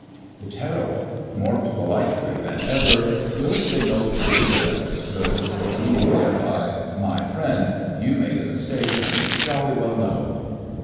The Terrible, more politely than ever: 'Your signal perfectly understood,' meaning thereby, 'My friend, you made a mistake, and you jolly well know it.